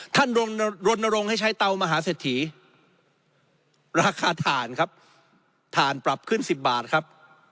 รณรงค์ให้ใช้เตามหาเศรษฐีราคาถ่านครับถ่านปรับขึ้น๑๐บาทครับ